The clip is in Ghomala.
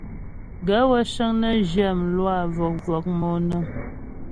Gaə̂ wə́ cəŋ nə zhyə mlwâ vɔ̀k-vɔ̀k monaə́ŋ.